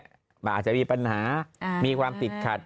มันอาจจะมีปัญหามีความติดขัด